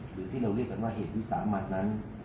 หรือที่เราเรียกกันว่าเหตุวิสามันนั้น